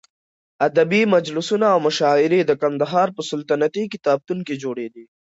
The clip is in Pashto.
ادبي مجلسونه او مشاعرې د قندهار په سلطنتي کتابتون کې جوړېدې.